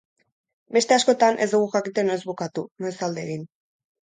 Beste askotan ez dugu jakiten noiz bukatu, noiz alde egin.